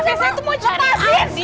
maaf saya tuh mau cari adik